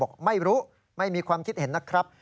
บอกไม่รู้ไม่มีความคิดเห็นนะครับ